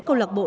câu lạc bộ